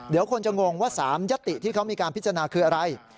เดี๋ยวคนจะงงว่า๓ยติที่เขามีการพิจารณาคืออะไร